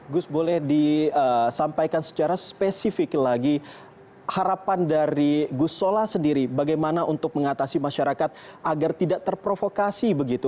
gus boleh disampaikan secara spesifik lagi harapan dari gus sola sendiri bagaimana untuk mengatasi masyarakat agar tidak terprovokasi begitu